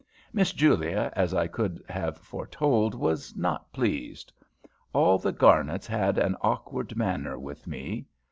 Miss Julia, as I could have foretold, was not pleased. All the Garnets had an awkward manner with me.